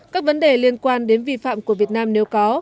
các vấn đề liên quan đến vi phạm của việt nam nếu có